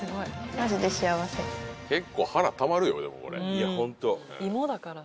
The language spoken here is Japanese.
いやホント。